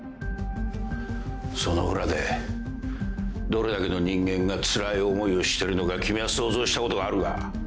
その裏でどれだけの人間がつらい思いをしてるのか君は想像したことがあるか？